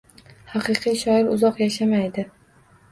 Haqiqiy shoir uzoq yashamaydi